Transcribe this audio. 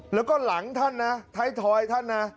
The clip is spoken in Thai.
แล้วก็หลังท่านนะท้ายทอยท่านนะ